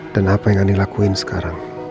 dan apa yang andi lakuin sekarang